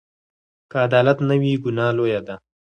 که عدالت نه وي، ګناه لویه ده.